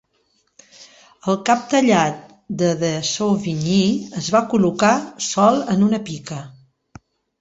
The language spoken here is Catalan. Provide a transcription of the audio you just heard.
El cap tallat de De Sauvigny es va col·locar sol en una pica.